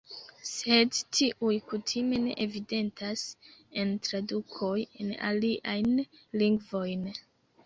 Sed tiuj kutime ne evidentas en tradukoj en aliajn lingvojn.